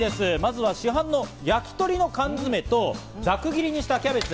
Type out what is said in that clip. まずは市販のやきとりの缶詰と、ざく切りにしたキャベツ。